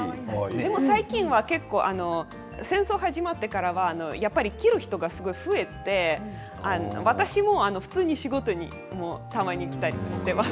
戦争始まってからは着る人がすごく増えて私も普通に仕事にたまに着たりしています。